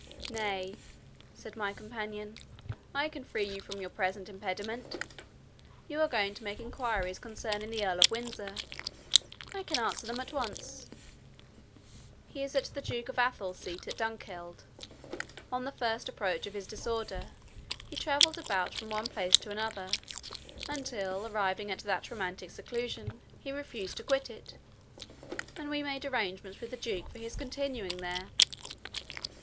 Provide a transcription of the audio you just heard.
"Nay," said my companion, "I can free you from your present impediment. You are going to make enquiries concerning the Earl of Windsor. I can answer them at once, he is at the Duke of Athol's seat at Dunkeld. On the first approach of his disorder, he travelled about from one place to another; until, arriving at that romantic seclusion he refused to quit it, and we made arrangements with the Duke for his continuing there."